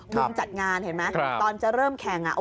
มุมจัดงานเห็นไหมตอนจะเริ่มแข่ง